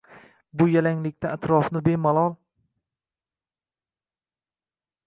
Bu yalanglikdan atrofni bemalol.